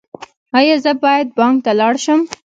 ایا زه باید بانک ته لاړ شم؟